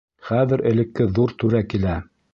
Хәҙер элекке ҙур түрә килә.